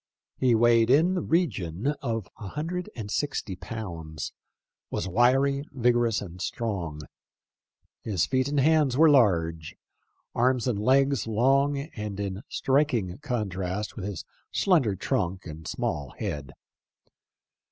He weighed in the region of a hundred and sixty pounds ; was wiry, vigorous, and strong. His feet and hands were large/ arms and legs long and in striking contrast with his slender trunk and small head.